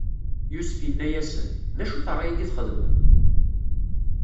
Yusef inna-asen: D acu-t ṛṛay-agi i txedmem?